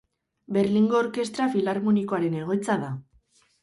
Berlingo Orkestra Filarmonikoaren egoitza da.